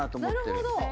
なるほど。